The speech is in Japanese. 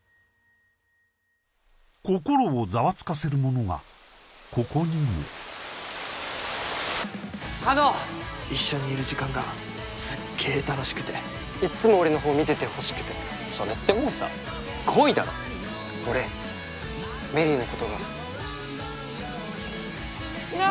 心をざわつかせる者がここにもあの一緒にいる時間がすっげえ楽しくていっつも俺のほう見ててほしくてそれってもうさ恋だろ俺芽李のことがなんそれ！